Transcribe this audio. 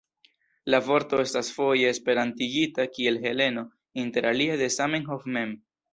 La vorto estas foje esperantigita kiel Heleno, interalie de Zamenhof mem.